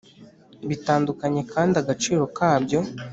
bitandukanye kandi agaciro kabyo